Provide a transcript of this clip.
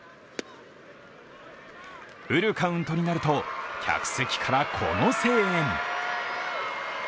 フルカウントになると、客席からこの声援。